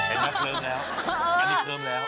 เห็นไหมเคลิมแล้วอันนี้เคลิมแล้ว